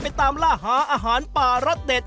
ตามล่าหาอาหารป่ารสเด็ด